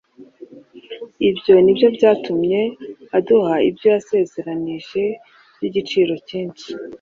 Ibyo ni byo byatumye aduha ibyo yasezeranije by’igiciro cyinshi,